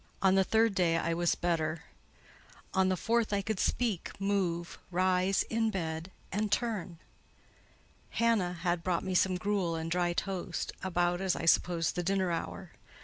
On the third day I was better; on the fourth, I could speak, move, rise in bed, and turn. Hannah had brought me some gruel and dry toast, about, as I supposed, the dinner hour.